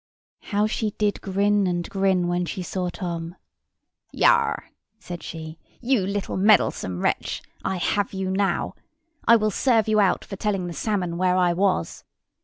How she did grin and grin when she saw Tom. "Yar!" said she, "you little meddlesome wretch, I have you now! I will serve you out for telling the salmon where I was!"